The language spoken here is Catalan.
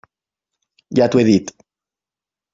Ja t'ho he dit.